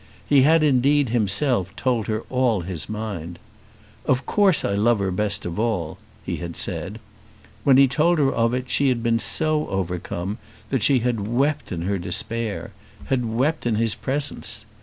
He had indeed himself told her all his mind. "Of course I love her best of all," he had said. When he told her of it she had been so overcome that she had wept in her despair; had wept in his presence.